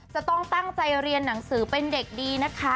จะต้องตั้งใจเรียนหนังสือเป็นเด็กดีนะคะ